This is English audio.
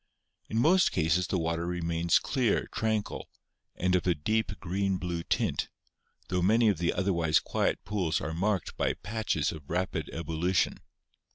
In most cases the water remains clear, tranquil, and of a deep green blue tint, tho many of the otherwise quiet pools are marked by patches of rapid ebullition.